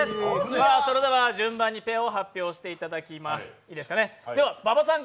それでは順番にペアを発表していただきます。